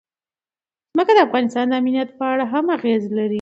ځمکه د افغانستان د امنیت په اړه هم اغېز لري.